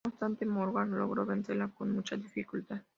No obstante, Morgan logró vencerla con mucha dificultad.